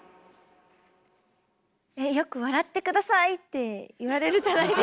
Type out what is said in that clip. よく「笑って下さい」って言われるじゃないですか。